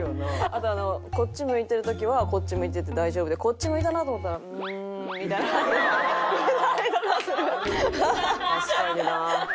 あとこっち向いてる時はこっち向いてて大丈夫でこっち向いたなと思ったら「うん」みたいな。確かにな。